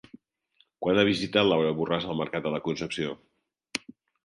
Quan ha visitat Laura Borràs el Mercat de la Concepció?